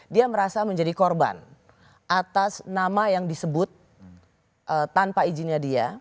dia merasa menjadi korban atas nama yang disebut tanpa izinnya dia